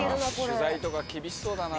取材とか厳しそうだな。